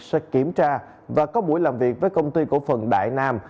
sẽ kiểm tra và có buổi làm việc với công ty cổ phần đại nam